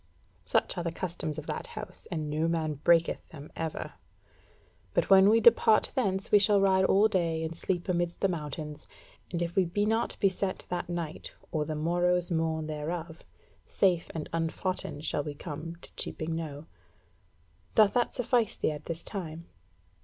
Such are the customs of that house, and no man breaketh them ever. But when we depart thence we shall ride all day and sleep amidst the mountains, and if we be not beset that night or the morrow's morn thereof, safe and unfoughten shall we come to Cheaping Knowe. Doth that suffice thee as at this time?"